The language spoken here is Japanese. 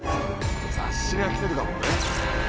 雑誌が来てるかもね。